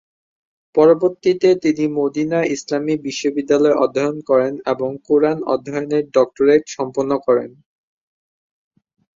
পরবর্তীতে তিনি মদিনা ইসলামি বিশ্ববিদ্যালয়ে অধ্যয়ন করেন এবং কুরআন অধ্যয়নে ডক্টরেট সম্পন্ন করেন।